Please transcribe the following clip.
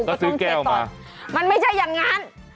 ก็ซื้อแก้วมามันไม่ใช่อย่างนั้น